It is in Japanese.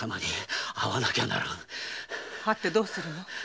会ってどうするの？